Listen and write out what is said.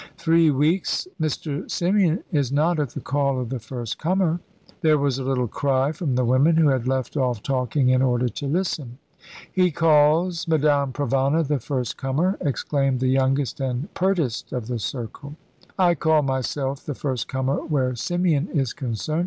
"Three weeks. Mr. Symeon is not at the call of the first comer." There was a little cry from the women, who had left off talking in order to listen. "He calls Madame Provana the first comer!" exclaimed the youngest and pertest of the circle. "I call myself the first comer where Symeon is concerned.